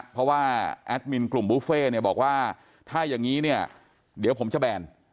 เพราะว่าแอดมินกลุ่มบุฟเฟ่เนี่ยบอกว่าถ้าอย่างนี้เนี่ยเดี๋ยวผมจะแบน